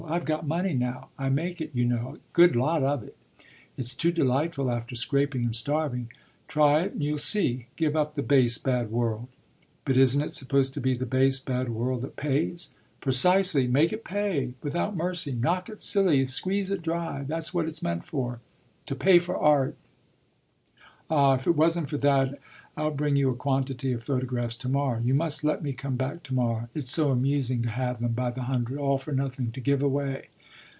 "I've got money now. I make it, you know a good lot of it. It's too delightful after scraping and starving. Try it and you'll see. Give up the base, bad world." "But isn't it supposed to be the base, bad world that pays?" "Precisely; make it pay without mercy knock it silly, squeeze it dry. That's what it's meant for to pay for art. Ah if it wasn't for that! I'll bring you a quantity of photographs to morrow you must let me come back to morrow: it's so amusing to have them, by the hundred, all for nothing, to give away.